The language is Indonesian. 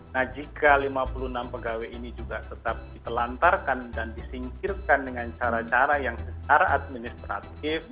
nah jika lima puluh enam pegawai ini juga tetap ditelantarkan dan disingkirkan dengan cara cara yang secara administratif